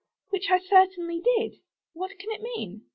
Which I certainly did. What can it mean?